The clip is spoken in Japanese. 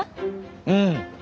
うん。